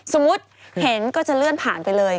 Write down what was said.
สมมุติเห็นก็จะเลื่อนผ่านไปเลย